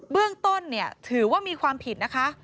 เรื่องต้นถือว่ามีความผิดนะคะ